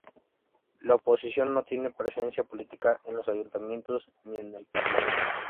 La oposición no tiene presencia política en los ayuntamientos ni en el Parlamento.